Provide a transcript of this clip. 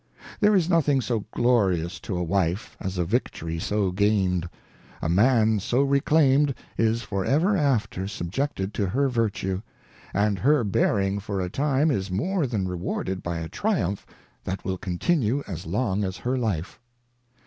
There is nothing so glorious to a Wife, as a Victory so gain'd : A Man so re claim'd, is for ever after subjected to her Vertue; and her bearing for a time, is more than rewarded by a Triumph that will continue as long as her Life.